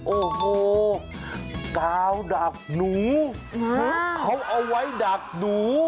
โอ้โหกาวดักหนูคือเขาเอาไว้ดักหนู